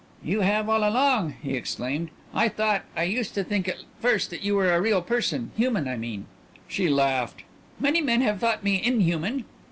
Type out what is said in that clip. "You have all along," he exclaimed. "I thought I used to think at first that you were a real person human, I mean." She laughed. "Many men have thought me inhuman."